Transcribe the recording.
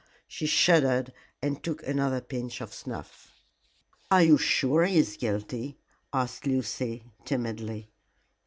She shuddered and took another pinch of snuff. "Are you sure he is guilty?" asked Lucy, timidly.